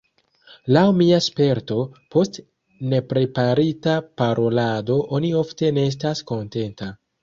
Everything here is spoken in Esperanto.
Laŭ mia sperto, post nepreparita parolado oni ofte ne estas kontenta.